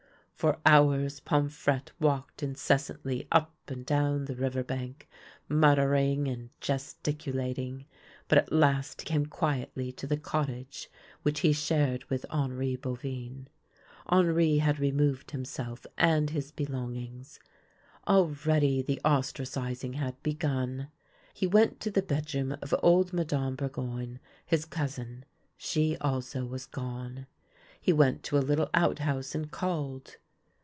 For hours Pomfrette walked incessantly up and down the river bank, muttering and gesticulating, but at last came quietly to the cottage which he shared with Henri Beauvin. Henri had removed himself and his belongings : already the ostracizing had begun. He went to the bedroom of old Mme. Burgoyne, his cou sin ; she also was gone. He went to a little outhouse and called.